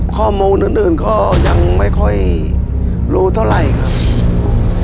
ข้อมูลอื่นก็ยังไม่ค่อยรู้เท่าไหร่ครับ